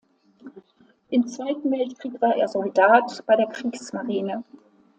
Im Zweiten Weltkrieg war er Soldat bei der Kriegsmarine.